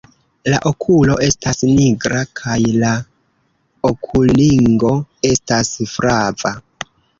La okulo estas nigra kaj la okulringo estas flava.